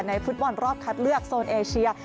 ฟุตบอลรอบคัดเลือกโซนเอเชีย